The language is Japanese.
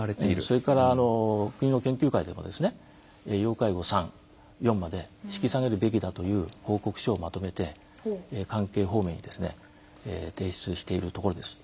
それから国の研究会でも要介護３、４まで引き下げるべきだという報告書をまとめて、関係方面に提出しているところです。